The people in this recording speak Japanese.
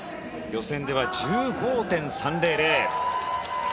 予選では１５．３００。